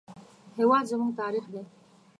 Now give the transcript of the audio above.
هېواد زموږ تاریخ دی